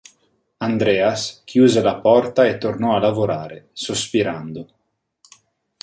Andreas chiuse la porta e tornò a lavorare, sospirando.